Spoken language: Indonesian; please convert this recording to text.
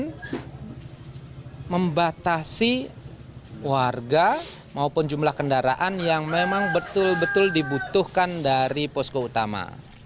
dan membatasi warga maupun jumlah kendaraan yang memang betul betul dibutuhkan dari posko utama